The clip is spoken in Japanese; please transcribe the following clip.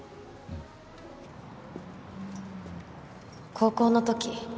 高校の時